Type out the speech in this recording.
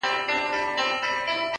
خو زه بيا داسي نه يم”